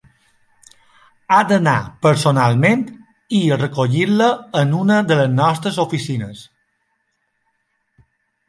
Ha d'anar personalment i recollir-la en una de les nostres oficines.